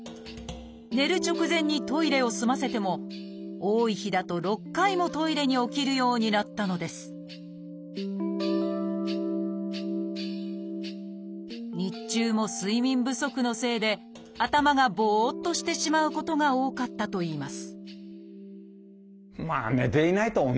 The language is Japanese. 寝る直前にトイレを済ませても多い日だと６回もトイレに起きるようになったのです日中も睡眠不足のせいで頭がぼっとしてしまうことが多かったといいます